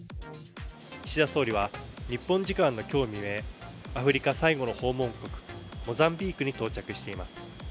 岸田総理は日本時間の今日未明、アフリカ最後の訪問国、モザンビークに到着しています。